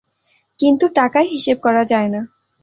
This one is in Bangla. কিন্তু টাকায় হিসেব করা যায় না।